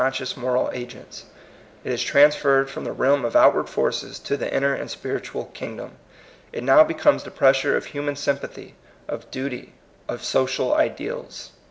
127 scious moral agents; it is transferred from the realm of outward forces to the inner and spiritual kingdom ; it now becomes the pressure of human sympathy, of duty, of social ideals.